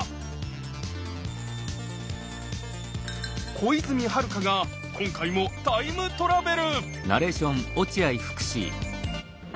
小泉遥香が今回もタイムトラベル！